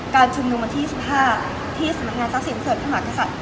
การชมนุมวันที่สิบห้าที่สมัครงานทรัพย์ศิลป์เผื่อหมากษัตริย์